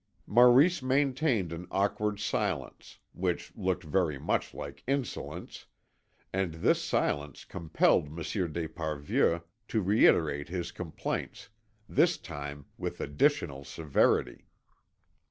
Maurice maintained an awkward silence, which looked very much like insolence, and this silence compelled Monsieur d'Esparvieu to reiterate his complaints, this time with additional severity.